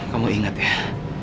kamu ingat ya